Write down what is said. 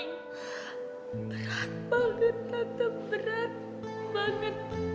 berat banget tante berat banget